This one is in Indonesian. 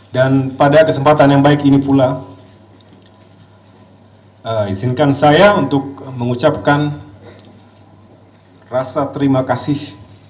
dan pada kesempatan yang baik ini pula izinkan saya untuk mengucapkan rasa terima kasih